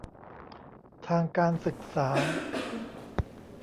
ทางการศึกษา